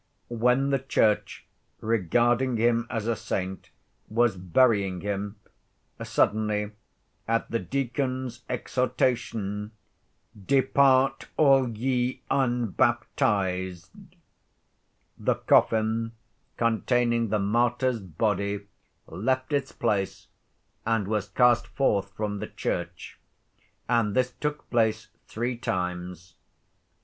When the Church, regarding him as a saint, was burying him, suddenly, at the deacon's exhortation, "Depart all ye unbaptized," the coffin containing the martyr's body left its place and was cast forth from the church, and this took place three times.